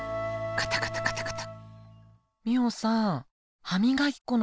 カタカタカタカタ。